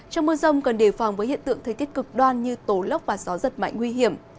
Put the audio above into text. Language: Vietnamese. trong mưa rông cần đề phòng với hiện tượng thời tiết cực đoan như tố lốc và gió giật mạnh nguy hiểm